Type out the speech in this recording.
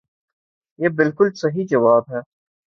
یہ بلکل صحیح جواب ہے۔